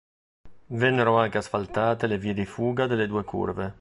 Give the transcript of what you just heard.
Vennero anche asfaltate le vie di fuga delle due curve.